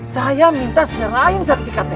saya minta serahkan sertifikatnya